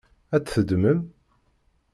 Ad t-teddmem?